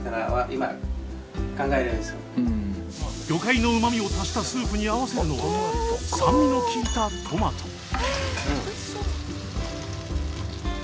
魚介のうまみを足したスープに合わせるのは酸味のきいたトマト。